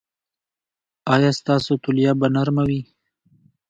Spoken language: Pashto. ایا ستاسو تولیه به نرمه وي؟